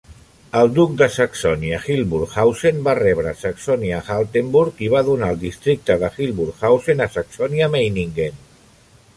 El duc de Saxònia-Hildburghausen va rebre Saxònia-Altenburg, i va donar el districte de Hildburghausen a Saxònia-Meiningen.